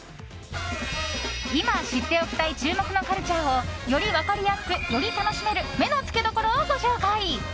今、知っておきたい注目のカルチャーをより分かりやすくより楽しめる目のつけどころをご紹介。